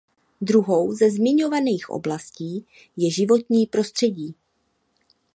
Druhou ze zmiňovaných oblastí je životní prostředí.